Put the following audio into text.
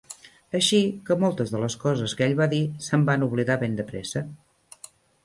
Així que moltes de les coses que ell va dir se'm van oblidar ben de pressa.